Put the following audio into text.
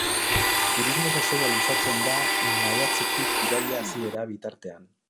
Turismo-sasoia luzatzen da maiatzetik irail hasiera bitartean.